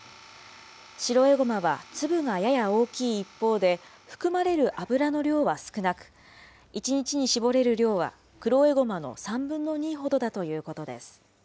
白エゴマは粒がやや大きい一方で、含まれる油の量は少なく、１日に搾れる量は黒エゴマの３分の２ほどだということです。